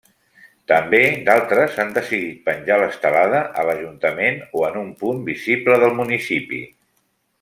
També d'altres han decidit penjar l'estelada a l'ajuntament o en un punt visible del municipi.